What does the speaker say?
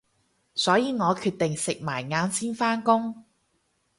所以我決定食埋晏先返工